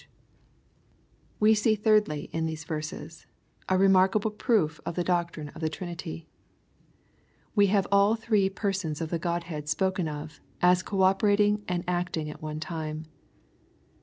We see, thirdly, in these verses, a remarkable jmn/ q/ LUKE, CHAP. ni. 103 the doctrine of the Trinity. We have all the Three Per sons of the Godhead spoken of, as co operating and acting at one time.